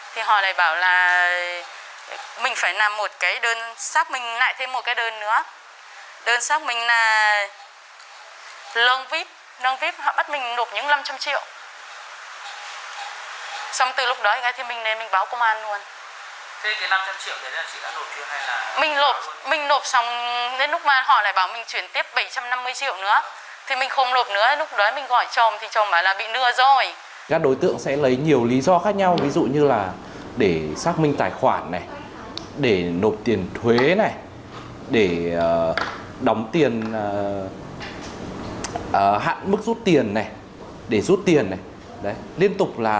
thì họ lại bảo là mình phải làm một cái đơn sắp mình lại thêm một cái đơn nữa